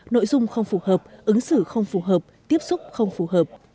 nội dung không phù hợp ứng xử không phù hợp tiếp xúc không phù hợp